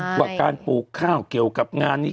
ขวักกาลปูข้าวเกี่ยวกับงานนี้